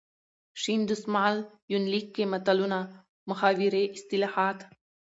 شین دسمال یونلیک کې متلونه ،محاورې، اصطلاحات .